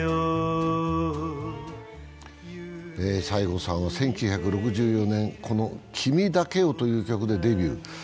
西郷さんは１９６４年、「君だけを」という曲でデビュー。